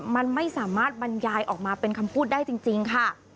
มันไม่สามารถบรรยายออกมาเป็นคำพูดได้จริงค่ะ